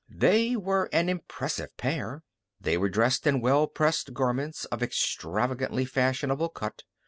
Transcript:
They were an impressive pair. They were dressed in well pressed garments of extravagantly fashionable cut.